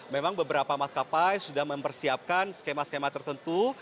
memang beberapa maskapai sudah mempersiapkan skema skema tertentu